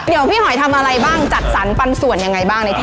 เดี๋ยวพี่หอยทำอะไรบ้างจัดสรรปันส่วนยังไงบ้างในที่